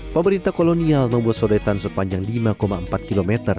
pemerintah kolonial membuat sodetan sepanjang lima empat km